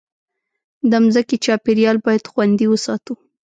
د مځکې چاپېریال باید خوندي وساتو.